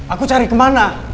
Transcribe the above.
aku cari kemana